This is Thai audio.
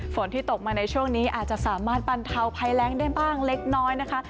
ฝนที่ตกมาในช่วงนี้อาจจะสามารถบรรเทาภัยแรงได้บ้างเล็กน้อยนะคะ